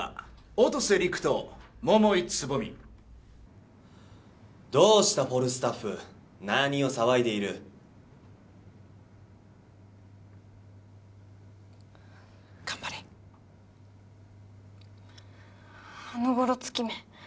音瀬陸と桃井蕾未どうしたフォルスタッフ何を騒いでいる頑張れあのゴロツキめ